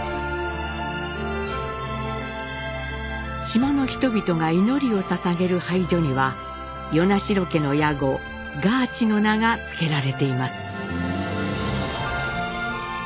島の人々が祈りをささげる拝所には与那城家の屋号ガーチの名が付けられています。